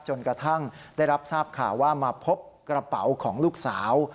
จนกระทั่งได้รับทราบข่าวว่ามาพบกระเป๋าของลูกสาว